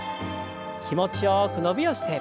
気持ちよく伸びをして。